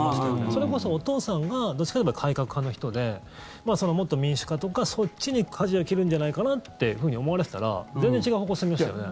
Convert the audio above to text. それこそ、お父さんがどっちかというと改革派の人でもっと民主化とかそっちにかじを切るんじゃないかなって思われていたら全然違う方向に進みましたよね。